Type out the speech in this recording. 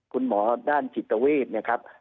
คุณหมอด้านจิตเวทเนี่ยครับ